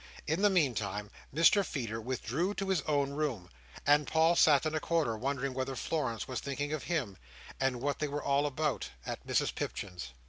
In the meantime Mr Feeder withdrew to his own room; and Paul sat in a corner wondering whether Florence was thinking of him, and what they were all about at Mrs Pipchin's.